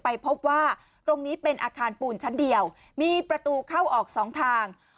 พบว่าตรงนี้เป็นอาคารปูนชั้นเดียวมีประตูเข้าออกสองทาง